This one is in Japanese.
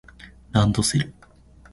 ランドセル